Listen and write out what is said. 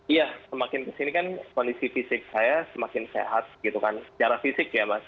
iya semakin kesini kan kondisi fisik saya semakin sehat gitu kan secara fisik ya mas